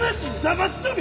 黙っとけ！